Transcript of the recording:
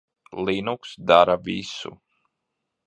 Linux dara visu.